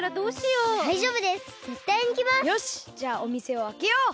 よしじゃあおみせをあけよう！